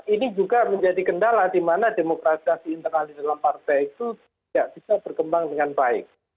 ini juga menjadi kendala di mana demokrasi internal di dalam partai itu tidak bisa berkembang dengan baik